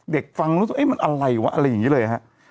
เด็กฟังรู้สึกว่ามันอะไรวะอะไรอย่างนี้เลยครับ